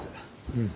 うん。